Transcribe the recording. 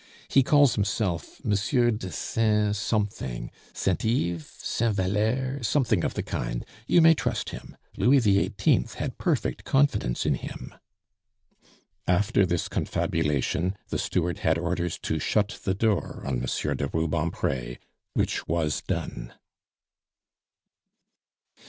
He calls himself Monsieur de Saint Something Saint Yves Saint Valere? Something of the kind. You may trust him; Louis XVIII. had perfect confidence in him." After this confabulation the steward had orders to shut the door on Monsieur de Rubempre which was done.